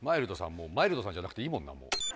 もうマイルドさんじゃなくていいもんな。